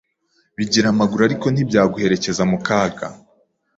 bigira amaguru ariko ntibyaguherekeza mu kaga,